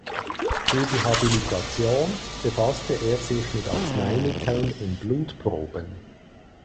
Für die Habilitation befasste er sich mit Arzneimitteln in Blutproben.